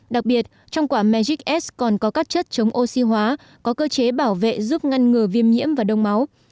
đặc biệt trong quả margics còn có các chất chống oxy hóa có cơ chế bảo vệ giúp ngăn ngừa viêm nhiễm và đông máu